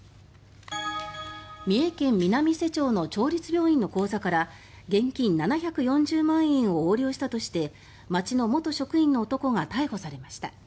三重県南伊勢町の町立病院の口座から現金７４０万円を横領したとして町の元職員の男が逮捕されました。